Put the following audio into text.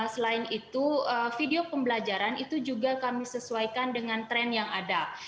selain itu video pembelajaran itu juga kami sesuaikan dengan tren yang ada